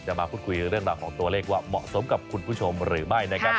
มาพูดคุยเรื่องราวของตัวเลขว่าเหมาะสมกับคุณผู้ชมหรือไม่นะครับ